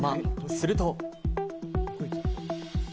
すると。